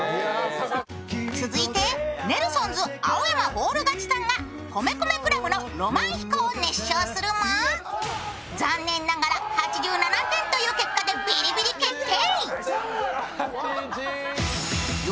続いて、ネルソンズ青山フォール勝ちさんが米米ＣＬＵＢの「浪漫飛行」を熱唱するも残念ながら８７点でビリビリ決定。